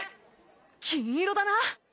金色だな！